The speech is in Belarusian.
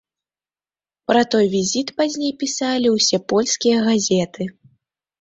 Пра той візіт пазней пісалі ўсе польскія газеты.